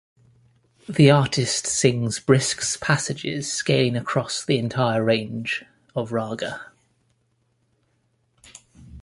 The artist sings brisks passages scaling across the entire range of raga.